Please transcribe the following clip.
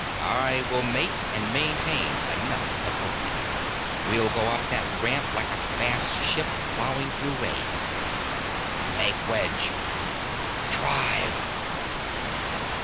I will make and maintain enough of opening. We'll go up that ramp like a fast ship plowing through waves. Make wedge! Drive!"